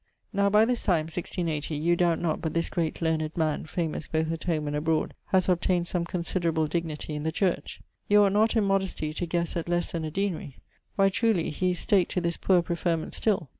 Now by this time (1680), you doubt not but this great, learned man, famous both at home and abroad, haz obtained some considerable dignity in the church. You ought not in modestie to ghesse at lesse then a deanery. Why, truly, he is stak't to this poor preferment still!